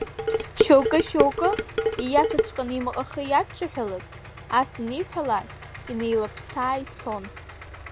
Шьоукы-шьоукы, ииашаҵәҟьаны имаҟахы иадҿаҳәалаз, ас аниҳәалак инеилыԥсаа ицон.